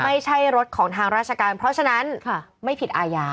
ไม่ใช่รถของทางราชการเพราะฉะนั้นไม่ผิดอาญา